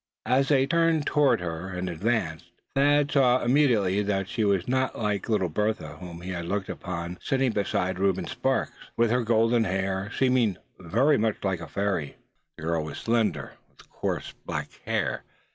As they turned toward her, and advanced, Thad saw immediately that she was not the little Bertha whom he had looked upon, sitting beside Reuben Sparks, and with her golden hair, seeming very much like a fairy. This girl was slender, and with coarse, black hair.